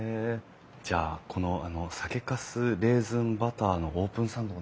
じゃあこの酒かすレーズンバターのオープンサンド